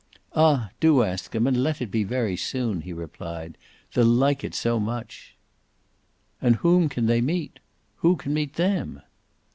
"Ah do ask them, and let it be very soon," he replied. "They'll like it so much." "And whom can they meet who can meet THEM?"